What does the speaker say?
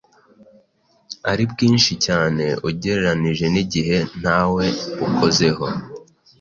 ari bwinshi cyane ugereranije n’igihe ntawe ukozeho.